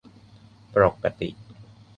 ปรกติ